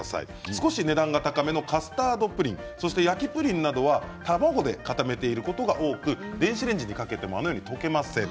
少し値段が高めのカスタードプリンや焼きプリンなどは卵で固めていることが多く電子レンジにかけてもあのように溶けません。